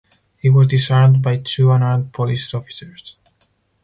He was disarmed by two unarmed police officers.